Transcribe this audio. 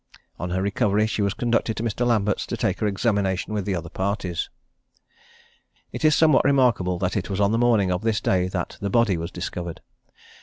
On her recovery she was conducted to Mr. Lambert's, to take her examination with the other parties. It is somewhat remarkable that it was on the morning of this day that the body was discovered.